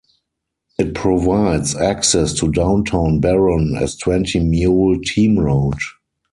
It provides access to downtown Boron as Twenty Mule Team Road.